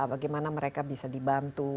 bagaimana mereka bisa dibantu